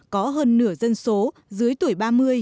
có hơn nửa dân số dưới tuổi ba mươi